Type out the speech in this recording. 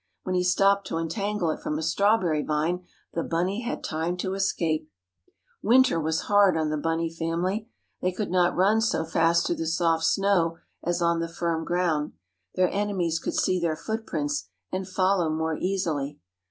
When he stopped to untangle it from a strawberry vine the bunny had time to escape. Winter was hard on the bunny family. They could not run so fast through the soft snow as on the firm ground. Their enemies could see their footprints, and follow more easily.